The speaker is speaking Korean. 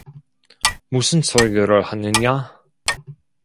무슨 소리를 하느냐?